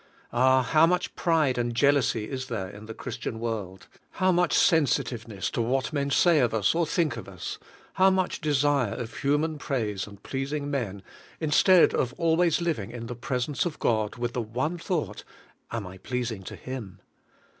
Ah, how much pride and jeal ousy is there in the Christian world ; how much sensitiveness to what men say of us or think of us; how much desire of human praise and pleasing men, instead of always living in the presence of God, with the one thought: "Am I pleasing to Him?"